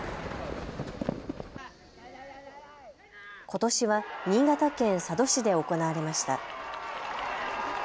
ことしは新潟県佐渡市で行われました。